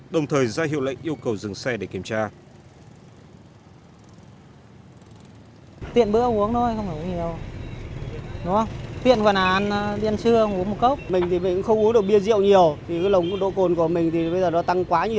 đồng thời ra hiệu lệnh yêu cầu dừng xe để kiểm tra